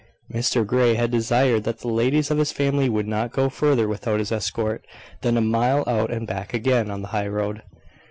Mr Grey had desired that the ladies of his family would not go further without his escort than a mile out and back again on the high road.